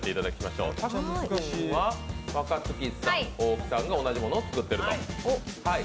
若槻さん、大木さんが同じものを作っている。